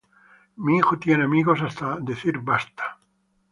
Mi hijo tiene amigos hasta decir basta.